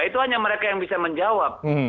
itu hanya mereka yang bisa menjawab